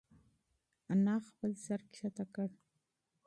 انا خپل سر ټیټ کړ.